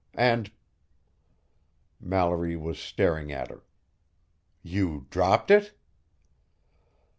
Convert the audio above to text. and " Mallory was staring at her. "You dropped it?"